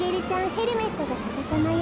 ヘルメットがさかさまよ。